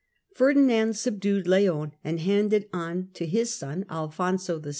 Ferdinand Castile, subdued Leon, and handed on to his son, Alfonso VI.